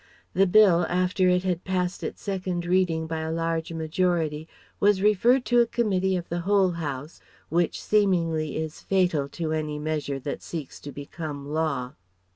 The Bill after it had passed its second reading by a large majority was referred to a Committee of the whole House, which seemingly is fatal to any measure that seeks to become law.